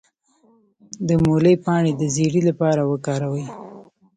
د مولی پاڼې د زیړي لپاره وکاروئ